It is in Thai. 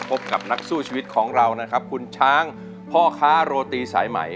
พบกับนักสู้ชีวิตของเรานะครับคุณช้างพ่อค้าโรตีสายใหม่